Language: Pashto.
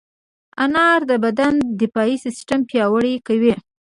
انار د بدن دفاعي سیستم پیاوړی کوي.